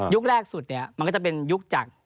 แรกสุดเนี่ยมันก็จะเป็นยุคจาก